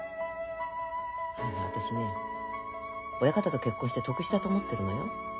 私ね親方と結婚して得したと思ってるのよ。